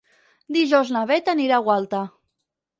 Dijous na Bet anirà a Gualta.